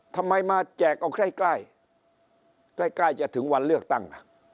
ทำไมมาแจกเอาใกล้ใกล้จะถึงวันเลือกตั้ง